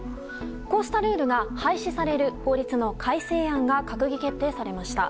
こうしたルールが廃止される法律の改正案が閣議決定されました。